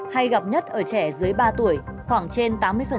hay gặp nhất ở trẻ dưới ba tuổi khoảng trên tám mươi